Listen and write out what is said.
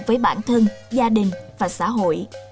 với bản thân gia đình và xã hội